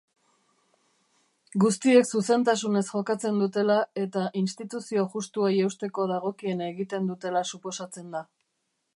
Guztiek zuzentasunez jokatzen dutela eta instituzio justuei eusteko dagokiena egiten dutela suposatzen da.